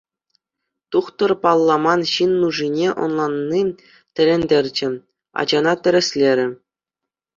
Тухтӑр палламан ҫын нушине ӑнланни тӗлӗнтерчӗ, ачана тӗрӗслерӗ.